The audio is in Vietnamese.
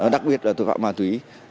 đặc biệt là tội phạm ma túy